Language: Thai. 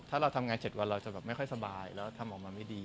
ถ้าเราทำงาน๗วันเราจะแบบไม่ค่อยสบายแล้วทำออกมาไม่ดี